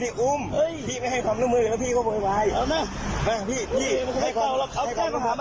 เชิญที่โต๊ะไปพี่ให้ความร่วม